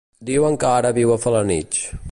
Diuen que ara viu a Felanitx.